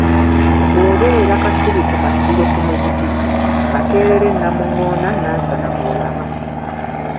"Bw’obeera kasubi ku masiro ku muzikiti, Makerere, Namungoona, Nansana gw’olaba"